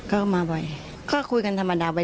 แล้วน้องผู้ชายคนนี้ครับ